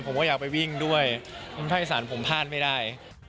ผมก็อยากไปวิ่งด้วยคนภาคอีสานผมพลาดไม่ได้